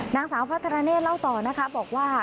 นางสาวพัฒนาเนธเล่าต่อนะคะบอกว่า